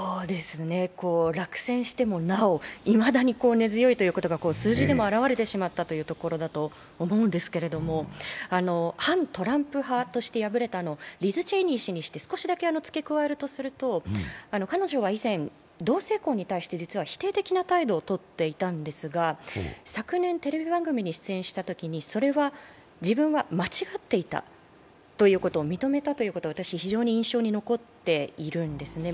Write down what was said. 落選してもなお、いまだに根強いことが数字でも表れてしまったというところだと思うんですけれども反トランプ派として敗れたリズ・チェイニー氏に少しだけ付け加えるとすると、彼女は以前、同性婚に対して実は否定的な態度を取っていたんですが、昨年テレビ番組に出演したときにそれは自分は間違っていたということを認めたということで私、非常に印象に残っているんですね。